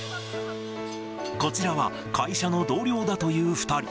こちらは会社の同僚だという２人。